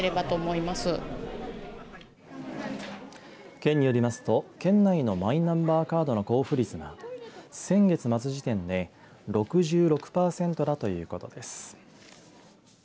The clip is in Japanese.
県によりますと県内のマイナンバーカードの交付率は先月末時点で６６パーセントだということです。